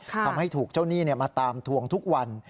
ทำให้ถูกเจ้าหนี้มาตามทวงทุกวัน